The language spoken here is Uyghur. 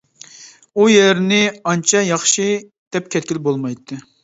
ئۇيەرنى ئانچە ياخشى دەپ كەتكىلى بولمايتتى.